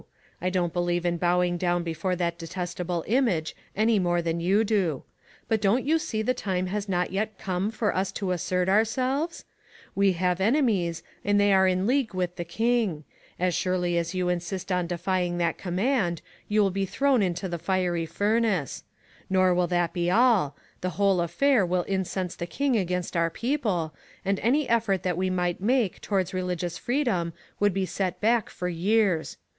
I don't believe in bowing down before that detestable image any more than you do ; but, don't you see the time has not yet come for us to assert ourselves ? We have enemies, and they are in league witli the king ; as surely as you insist on defying that command, you will be thrown into the fiery furnace. Xor will that be all : the whole affair will incense the king against our people, and any effort that we might make towards religious freedom would be set back for years.